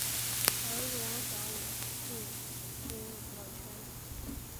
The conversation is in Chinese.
儿子王骁也进军娱乐圈。